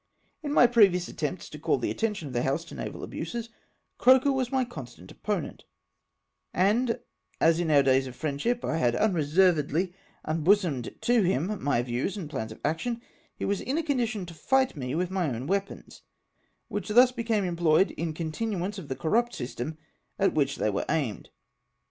VOL. I. p •210 COMMAND THE JMPERIEUSE. In my previous attempts to call tlie attention of the House to naval abuses, Croker was my constant op ponent ; and as, in our days of friendship, I had un reservedly unbosomed to him my views and plans of action, he was in a condition to fight me vdth my own weapons, which thus became employed in continuance of the corrupt system at which they were aimed.